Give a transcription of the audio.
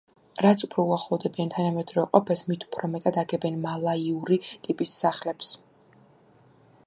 რაც უფრო უახლოვდებიან თანამედროვე ყოფას, მით უფრო მეტად აგებენ მალაიური ტიპის სახლებს.